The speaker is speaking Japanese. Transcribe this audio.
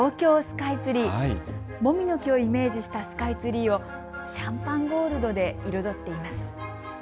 そして東京スカイツリー、もみの木をイメージしたスカイツリーをシャンパンゴールドで広がっています。